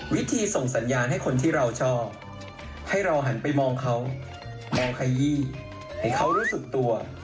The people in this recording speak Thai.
วิธีส่งสัญญาณให้คนที่เราชอบให้เราหันไปมองเขามองขยี้ให้เขารู้สึกตัว